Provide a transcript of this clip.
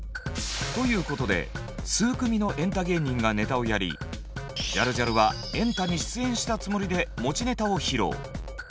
ということで数組のエンタ芸人がネタをやりジャルジャルは「エンタ」に出演したつもりで持ちネタを披露。